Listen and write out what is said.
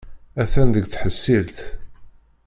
Atan deg tḥeṣṣilt.